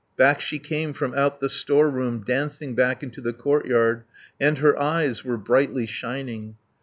Back she came from out the storeroom, Dancing back into the courtyard, And her eyes were brightly shining.